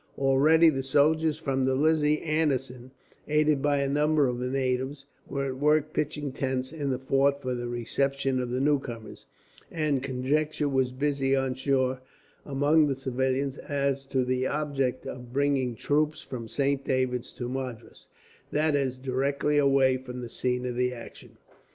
Already the soldiers from the Lizzie Anderson, aided by a number of natives, were at work pitching tents in the fort for the reception of the newcomers, and conjecture was busy on shore, among the civilians, as to the object of bringing troops from Saint David's to Madras, that is, directly away from the scene of action.